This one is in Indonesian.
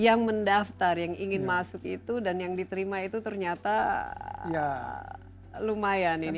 yang mendaftar yang ingin masuk itu dan yang diterima itu ternyata lumayan ini